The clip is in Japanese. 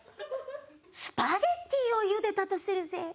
スパゲティを茹でたとするぜ。